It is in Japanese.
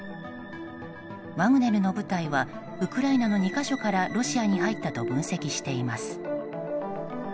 ワグネルの部隊はウクライナの２か所からロシアに入ったと分析しています。